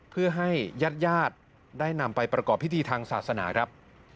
เพื่อให้ญาติญาติได้นำไปประกอบพิธีทางศาสนาครับ